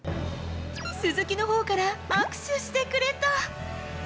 鈴木のほうから握手してくれた。